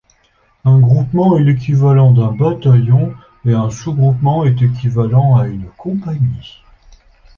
Un groupement est l'équivalent d'un bataillon, et un sous-groupement est équivalent à une compagnie.